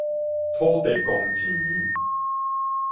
土地公錢